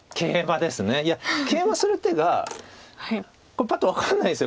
いやケイマする手がパッと分かんないんです。